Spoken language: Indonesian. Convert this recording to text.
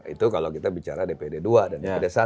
itu kalau kita bicara dpd dua dan dpd satu